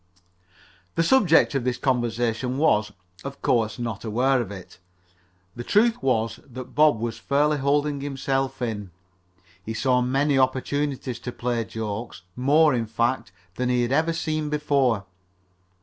The subject of this conversation was, of course, not aware of it. The truth was that Bob was fairly holding himself in. He saw many opportunities to play jokes more, in fact, than he had ever seen before.